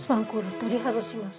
取り外します。